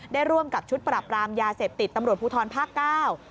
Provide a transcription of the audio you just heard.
ร่วมกับชุดปรับรามยาเสพติดตำรวจภูทรภาคเก้า